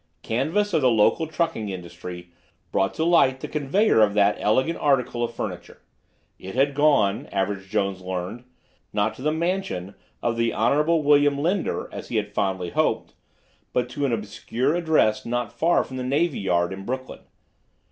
Canvass of the local trucking industry brought to light the conveyor of that elegant article of furniture. It had gone, Average Jones learned, not to the mansion of the Honorable William Linder, as he had fondly hoped, but to an obscure address not far from the Navy Yard in Brooklyn.